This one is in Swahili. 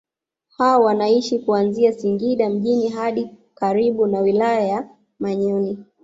Hao wanaishi kuanzia Singida mjini hadi karibu na wilaya ya Manyoni